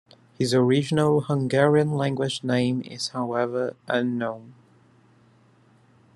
His original Hungarian language name is however unknown.